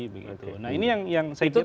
nah ini yang saya kira harus dilakukan